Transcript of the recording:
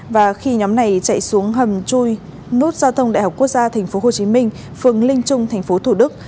và khi nhóm này chạy xuống hầm chui nút giao thông đại học quốc gia thành phố hồ chí minh phường linh trung thành phố thủ đức